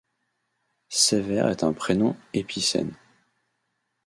Sévère est un prénom épicène.